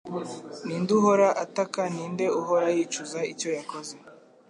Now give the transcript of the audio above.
Ni nde uhora ataka Ni nde uhora yicuza icyo yakoze